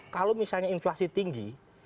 kalau misalnya inflasi tinggi